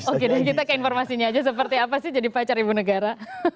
oke dan kita ke informasinya aja seperti apa sih jadi pacar ibu negara